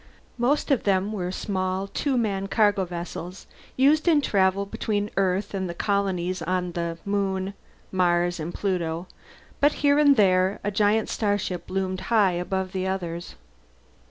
Most of them were small two man cargo vessels, used in travel between Earth and the colonies on the Moon, Mars, and Pluto, but here and there a giant starship loomed high above the others.